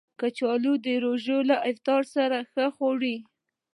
کچالو د روژې له افطار سره ښه خوري